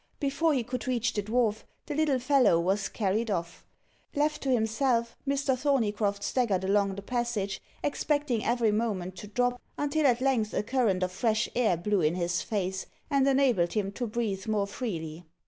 Before he could reach the dwarf, the little fellow was carried off. Left to himself, Mr. Thorneycroft staggered along the passage, expecting every moment to drop, until at length a current of fresh air blew in his face, and enabled him to breathe more freely.